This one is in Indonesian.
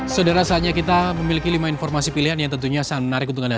saudara saatnya kita memiliki lima informasi pilihan yang tentunya sangat menarik untuk anda